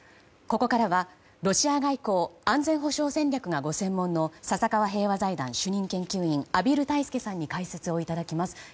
ここからはロシア外交安全保障戦略がご専門の笹川平和財団主任研究員畔蒜泰助さんに解説をいただきます。